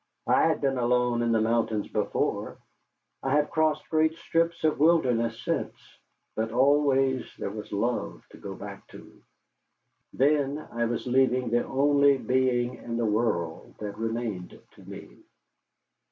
I had been alone in the mountains before. I have crossed great strips of wilderness since, but always there was love to go back to. Then I was leaving the only being in the world that remained to me.